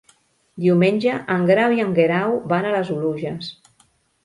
Diumenge en Grau i en Guerau van a les Oluges.